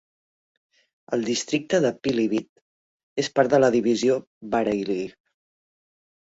El districte de Pilibhit és part de la Divisió Bareilly.